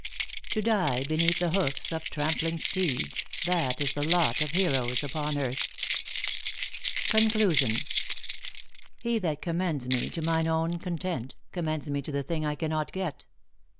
" To die beneath the hoofs of trampling steeds, That is the lot of heroes upon earth I" 40(5 THE ACTttESS IN HIGH LIFE. CONCLUSION. He that commends me to mine own content, Commends me to the thing I cannot get.